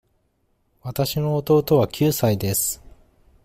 わたしの弟は九歳です。